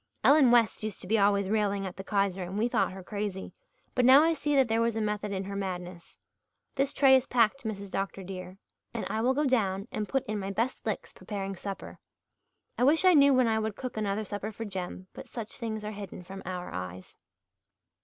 Ellen West used to be always railing at the Kaiser and we thought her crazy, but now I see that there was a method in her madness. This tray is packed, Mrs. Dr. dear, and I will go down and put in my best licks preparing supper. I wish I knew when I would cook another supper for Jem but such things are hidden from our eyes."